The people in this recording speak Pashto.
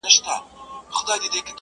• د تيارو سي ورته مخ د ورځو شا سي -